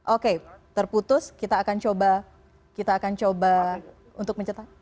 oke terputus kita akan coba untuk mencetak